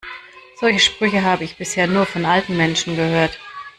Solche Sprüche habe ich bisher nur von alten Menschen gehört.